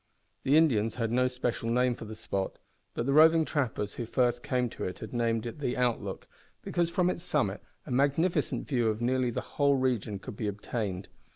The Indians had no special name for the spot, but the roving trappers who first came to it had named it the Outlook, because from its summit a magnificent view of nearly the whole region could be obtained.